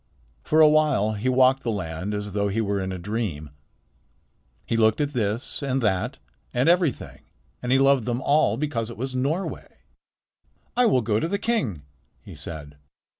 For a while he walked the land as though he were in a dream. He looked at this and that and everything and loved them all because it was Norway. "I will go to the king," he said.